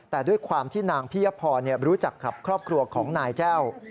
แต่ด้วยความที่นางพิยพรรู้จักกับครอบครัวของนายแจ้ว